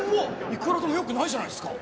いくらでもよくないじゃないですか！